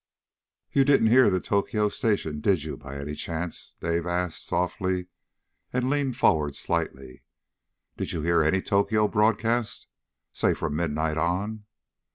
"You didn't hear the Tokyo station, did you, by any chance?" Dave asked softly, and leaned forward slightly. "Did you hear any Tokyo broadcast? Say from midnight on?"